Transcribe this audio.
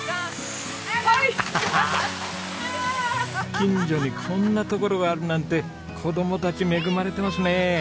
近所にこんな所があるなんて子供たち恵まれてますね。